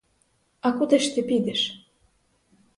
А куди ж ти підеш?